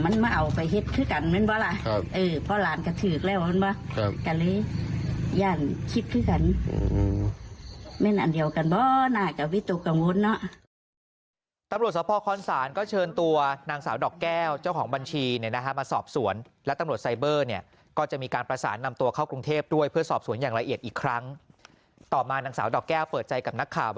ไม่ได้อันเดียวกันบ้างนะนะค่ะวิธีวัวกับวุฒินะ